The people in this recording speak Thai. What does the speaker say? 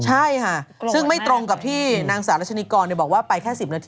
ใช่ค่ะซึ่งไม่ตรงกับที่นางสาวรัชนีกรบอกว่าไปแค่๑๐นาที